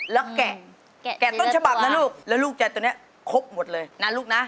แล้วแกะแกะต้นฉบับนะลูกแล้วลูกจะตัวนี้ครบหมดเลยนะลูกนะ